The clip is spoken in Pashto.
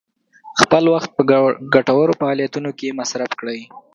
خپل وخت په ګټورو فعالیتونو کې مصرف کړئ.